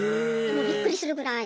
もうびっくりするぐらい。